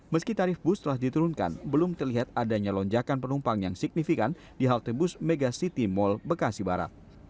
meski tarif bus telah diturunkan belum terlihat adanya lonjakan penumpang yang signifikan di halte bus mega city mall bekasi barat